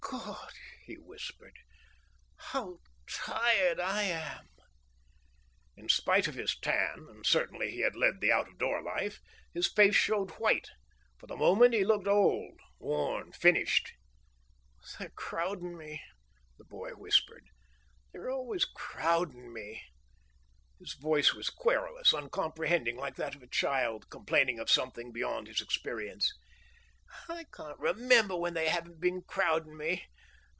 "God," he whispered, "how tired I am!" In spite of his tan and certainly he had led the out of door life his face showed white. For the moment he looked old, worn, finished. "They're crowdin' me," the boy whispered. "They're always crowdin' me." His voice was querulous, uncomprehending, like that of a child complaining of something beyond his experience. "I can't remember when they haven't been crowdin' me.